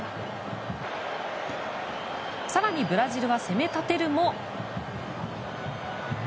更にブラジルは攻め立てるも。